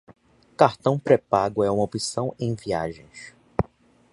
Cartão pré-pago é uma opção em viagens